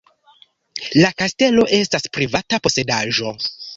La kastelo estas privata posedaĵo.